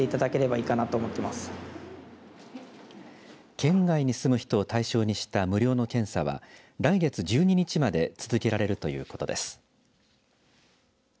県外に住む人を対象にした無料の検査は来月１２日まで続けられるということです。